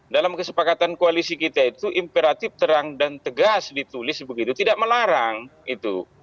dalam kesepakatan koalisi kita itu imperatif terang dan tegas ditulis begitu tidak melarang itu